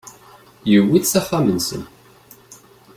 yewwi-t s axxam-nsen.